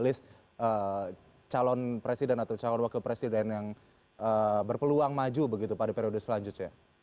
jadi itu bisa jadi yang menyebabkan calon presiden atau calon wakil presiden yang berpeluang maju begitu pada periode selanjutnya